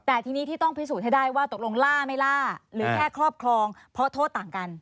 แต่ทีนี้ที่ต้องพิสูจน์ให้ได้ว่าตกลงล่าไม่ล่าหรือแค่ครอบครองเพราะโทษต่างกัน